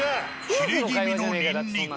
キレ気味の「ニンニク」